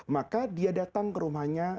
maka dia datang ke rumahnya